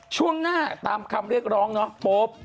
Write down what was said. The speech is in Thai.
ช่วงหน้าตามคำเรียกร้องปุ๊บ